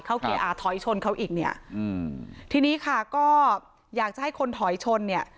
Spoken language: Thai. เกียร์อ่าถอยชนเขาอีกเนี่ยอืมทีนี้ค่ะก็อยากจะให้คนถอยชนเนี่ย